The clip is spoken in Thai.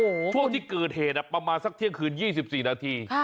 ช่วงที่เกิดเหตุประมาณสักเที่ยงคืน๒๔นาที